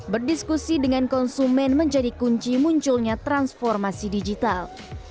berdiskusi dengan konsumen menjadi kunci munculnya transformasi digital